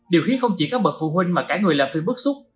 điều khiến không chỉ các bậc phụ huynh mà cả người làm phim bức xúc